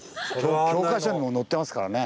教科書にも載ってますからね。